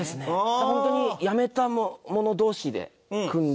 ホントに辞めた者同士で組んでそのまま。